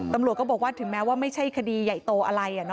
ตำรวจก็บอกว่าถึงแม้ว่าไม่ใช่คดีใหญ่โตอะไร